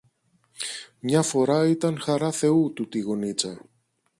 Μια φορά ήταν χαρά Θεού τούτη η γωνίτσα.